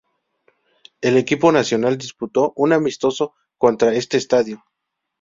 El equipo nacional disputó un amistoso contra en este estadio.